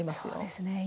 そうですね。